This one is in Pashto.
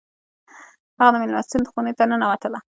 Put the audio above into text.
هغه د میلمستون خونې ته ننوتله